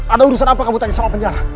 ada urusan apa kamu tanya sama penjara